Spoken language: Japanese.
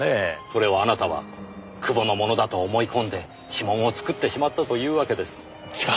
それをあなたは久保のものだと思い込んで指紋を作ってしまったというわけです。